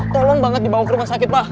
tolong banget dibawa ke rumah sakit pak